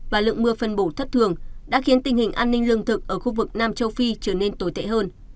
và lượng mưa phân bổ thất thường đã khiến tình hình an ninh lương thực ở khu vực nam châu phi trở nên tồi tệ hơn